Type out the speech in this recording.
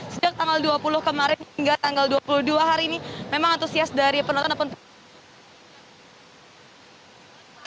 sejak tanggal dua puluh kemarin hingga tanggal dua puluh dua hari ini memang antusias dari penonton ataupun penonton